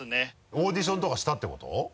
オーディションとかしたってこと？